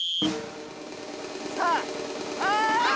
さあああ！